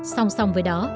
song song với đó